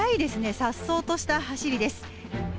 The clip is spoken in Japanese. さっそうとした走りです。